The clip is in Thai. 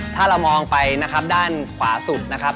ถ้าเรามองไปนะครับด้านขวาสุดนะครับ